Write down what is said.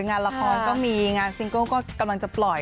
งานละครก็มีงานซิงเกิ้ลก็กำลังจะปล่อย